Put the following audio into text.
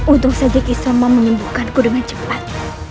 untuk saja kisoma menyembuhkanku dengan cepat